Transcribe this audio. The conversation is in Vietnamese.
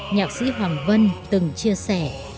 nhạc sĩ hoàng vân từng chia sẻ